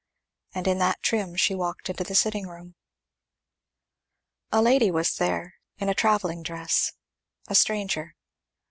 And in that trim she walked into the sitting room. A lady was there, in a travelling dress, a stranger.